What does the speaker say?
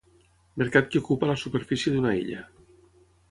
Mercat que ocupa la superfície d'una illa.